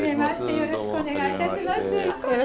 よろしくお願いします